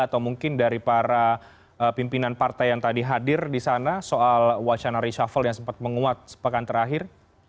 atau mungkin dari para pimpinan partai yang tadi hadir di sana soal wacana reshuffle yang sempat menguat sepekan terakhir